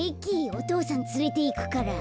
お父さんつれていくから。